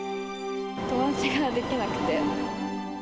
友達ができなくて。